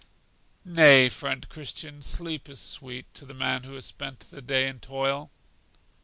Nay, friend Christian, sleep is sweet to the man who has spent the day in toil.